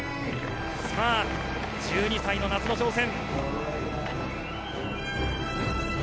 さあ、１２歳の夏の挑戦。